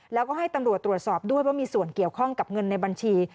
แล้วก็ให้ตำรวจตรวจสอบด้วยว่ามีส่วนเกี่ยวข้องกับเงินในบัญชี